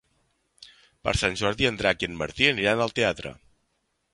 Per Sant Jordi en Drac i en Martí aniran al teatre.